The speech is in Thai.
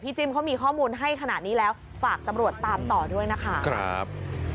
มันกลับมาที่สุดท้ายแล้วมันกลับมาที่สุดท้ายแล้ว